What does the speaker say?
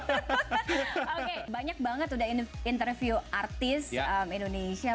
oke banyak banget udah interview artis indonesia